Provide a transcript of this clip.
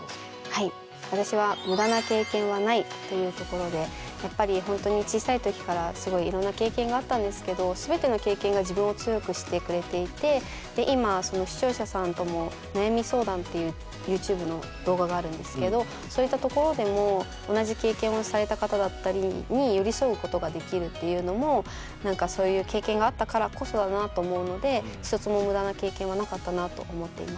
はい私はやっぱりほんとに小さい時からすごいいろんな経験があったんですけど全ての経験が自分を強くしてくれていてで今視聴者さんとも悩み相談っていうユーチューブの動画があるんですけどそういった所でも同じ経験をされた方だったりに寄り添うことができるっていうのもそういう経験があったからこそだなと思うので一つも無駄な経験はなかったなあと思っています。